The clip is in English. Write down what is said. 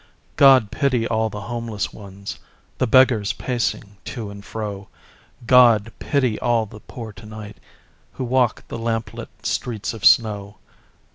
God pity all the homeless ones, The beggars pacing to and fro, God pity all the poor to night Who walk the lamp lit streets of snow.